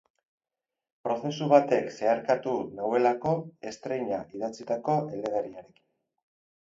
Prozesu batek zeharkatu nauelako estreina idatzitako eleberriarekin.